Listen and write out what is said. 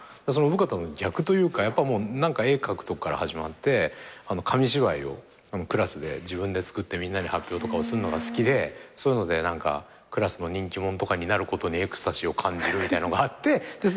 生方の逆というか絵描くところから始まって紙芝居をクラスで自分で作ってみんなに発表をすんのが好きでそういうのでクラスの人気者とかになることにエクスタシーを感じるみたいのがあってやっぱ漫画だよね。